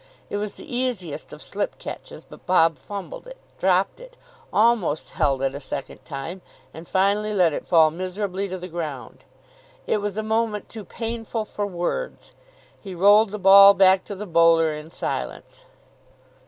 It was the easiest of slip catches, but Bob fumbled it, dropped it, almost held it a second time, and finally let it fall miserably to the ground. It was a moment too painful for words. He rolled the ball back to the bowler in silence.